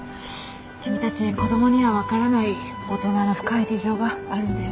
君たち子供にはわからない大人の深い事情があるんだよ。